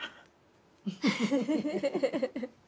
フフフフ！